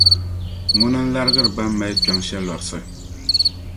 Ŋuna larigiri bɛn mali kpiɔŋ shelɔrisi.